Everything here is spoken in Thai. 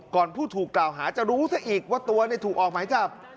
ผู้ถูกกล่าวหาจะรู้ซะอีกว่าตัวถูกออกหมายจับ